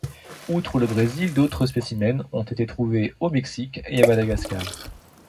Outre le Brésil, d'autres spécimens ont été trouvés au Mexique et à Madagascar.